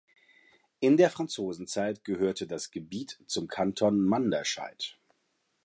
In der Franzosenzeit gehörte das Gebiet zum Kanton Manderscheid.